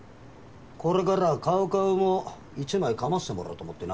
これからはカウカウも一枚かましてもらおうと思ってな。